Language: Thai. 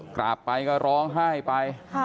กราบไปก็ก็ร้องภายไป